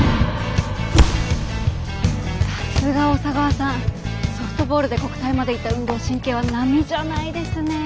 さすが小佐川さんソフトボールで国体まで行った運動神経は並みじゃないですねえ。